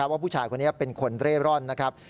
ว่าผู้ชายคนนี้เป็นคนเร่ร่อนนะครับ